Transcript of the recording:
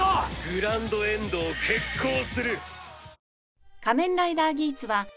グランドエンドを決行する！